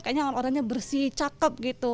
kayaknya orangnya bersih cakep gitu